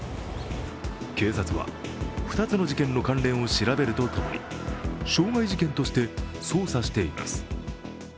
警察は２つの事件の関連を調べるとともに傷害事件として捜査しています。